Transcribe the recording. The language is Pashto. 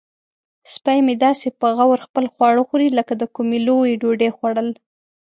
سپی مې داسې په غور خپل خواړه خوري لکه د کومې لویې ډوډۍ خوړل.